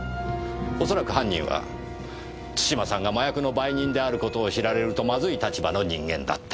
おそらく犯人は津島さんが麻薬の売人である事を知られるとまずい立場の人間だった。